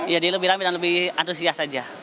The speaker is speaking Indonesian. jadi lebih rame dan lebih antusias aja